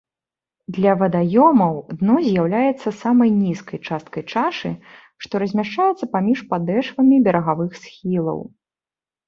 Для вадаёмаў дно з'яўляецца самай нізкай часткай чашы, што размяшчаецца паміж падэшвамі берагавых схілаў.